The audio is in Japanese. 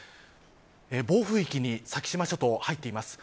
暴風域に先島諸島、入っています。